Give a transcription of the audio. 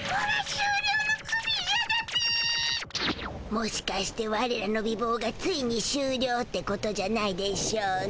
もしかしてワレらの美ぼうがついにしゅうりょうってことじゃないでしょうね。